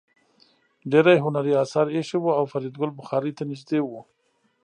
ډېر هنري اثار ایښي وو او فریدګل بخارۍ ته نږدې و